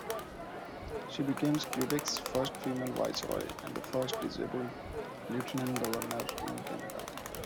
She became Quebec's first female viceroy, and the first disabled lieutenant governor in Canada.